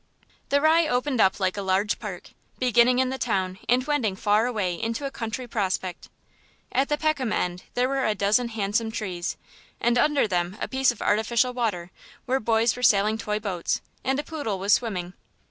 The Rye opened up like a large park, beginning in the town and wending far away into a country prospect. At the Peckham end there were a dozen handsome trees, and under them a piece of artificial water where boys were sailing toy boats, and a poodle was swimming.